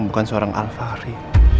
bukan seorang alfahri